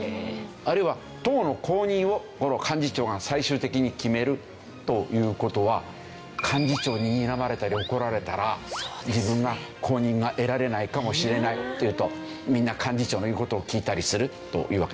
あるいは党の公認をこの幹事長が最終的に決めるという事は幹事長ににらまれたり怒られたら自分が公認が得られないかもしれないっていうとみんな幹事長の言う事を聞いたりするというわけ。